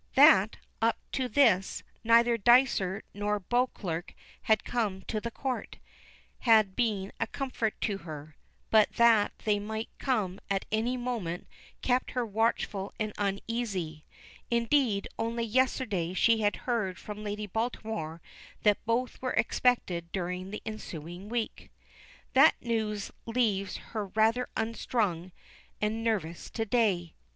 That, up to this, neither Dysart nor Beauclerk had come to the Court, had been a comfort to her; but that they might come at any moment kept her watchful and uneasy. Indeed, only yesterday she had heard from Lady Baltimore that both were expected during the ensuing week. That news leaves her rather unstrung and nervous to day.